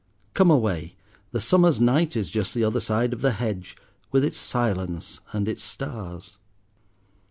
Come away, the summer's night is just the other side of the hedge, with its silence and its stars."